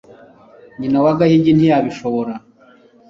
nyina wa gahigi ntiyabishobora